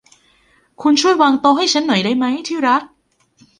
คุณช่วยวางโต๊ะให้ฉันหน่อยได้มั้ย ที่รัก